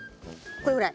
これぐらい？